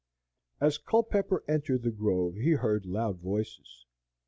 As Culpepper entered the grove he heard loud voices.